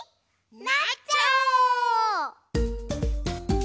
なっちゃおう！